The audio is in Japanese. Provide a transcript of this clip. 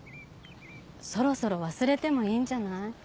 そろそろ忘れてもいいんじゃない？